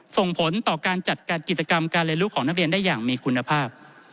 ส่งผลต่อการจัดการกิจกรรมการเรียนรู้ของนักเรียนได้อย่างมีคุณภาพ